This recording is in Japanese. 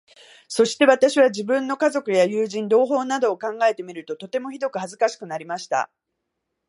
そして私は、自分の家族や友人、同胞などを考えてみると、とてもひどく恥かしくなりました。